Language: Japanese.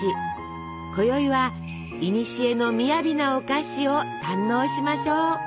こよいはいにしえのみやびなお菓子を堪能しましょう。